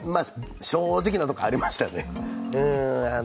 正直なところ、ありましたね。